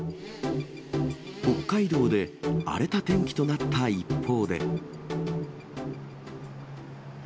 北海道で荒れた天気となった一方で。